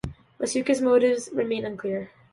Matuska's motives remain unclear.